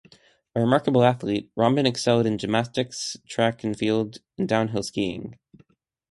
A remarkable athlete, Rombin excelled in gymnastics, track and field, and downhill skiing.